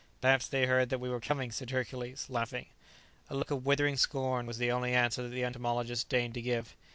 "Perhaps they heard that we were coming," said Hercules, laughing. A look of withering scorn was the only answer that the entomologist deigned to give.